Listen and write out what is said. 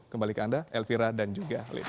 kembali ke anda elvira dan juga letko